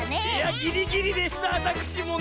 ぎりぎりでしたわたくしもなんとか。